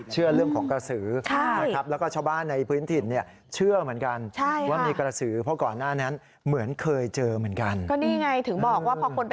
เชื่อเรื่องของกระสือแล้วก็ชาวบ้านในพื้นถิ่นเชื่อเหมือนกัน